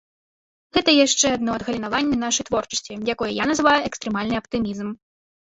Гэта яшчэ адно адгалінаванне нашай творчасці, якое я называю экстрэмальны аптымізм.